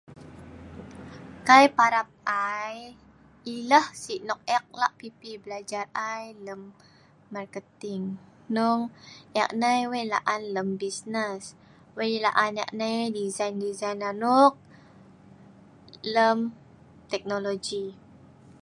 kai parap ai, ileh si nok eek lak pipi blajar ai, lem marketing. Hnung eek nai wei' la'an lem bisnes. wei' la'an eek nai, disain disain anok, lem teknologi